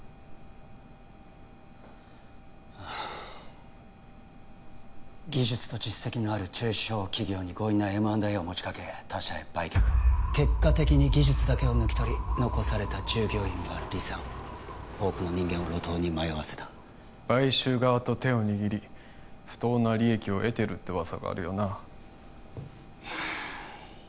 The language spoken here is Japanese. ああ技術と実績のある中小企業に強引なＭ＆Ａを持ちかけ他社へ売却結果的に技術だけを抜き取り残された従業員は離散多くの人間を路頭に迷わせた買収側と手を握り不当な利益を得てるって噂があるよな